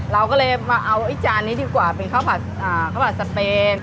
เราก็เลยมาเอาจานนี้ดีกว่าเป็นข้าวผัดข้าวผัดสเปน